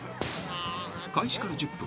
［開始から１０分